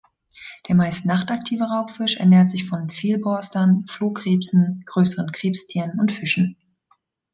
Der meist nachtaktive Raubfisch ernährt sich von Vielborstern, Flohkrebsen, größeren Krebstieren und Fischen.